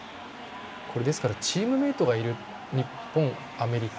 チームメートがいる日本、アメリカ